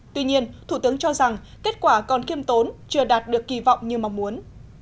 tuy nhiên thủ tướng cho rằng kết quả còn kiêm tốn chưa đạt được kỳ vọng như mong muốn